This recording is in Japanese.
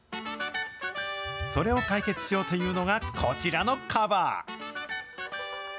それを解決しようというのが、こちらのカバー。